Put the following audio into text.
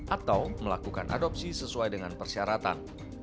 atau melakukan adopsi sesuai dengan persyaratan